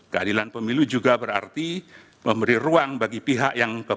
keadilan pemilu juga berarti memberi ruang bagi pihak yang berbeda